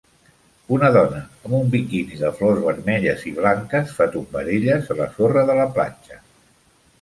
Una dona amb un biquini de flors vermelles i blanques fa tombarelles a la sorra de la platja.